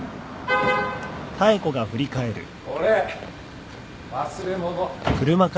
・・これ忘れ物。